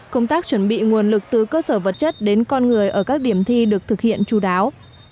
công tác chuẩn bị nguồn lực từ cơ sở vật chất đến con người ở các điểm thi được thực hiện chú đáo